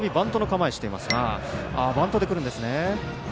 バントでくるんですね。